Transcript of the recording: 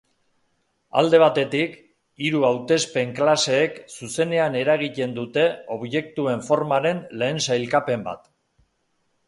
Alde batetik, hiru hautespen-klaseek zuzenean eragiten dute objektuen formaren lehen sailkapen bat.